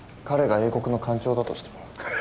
彼が英国の間諜だとしても？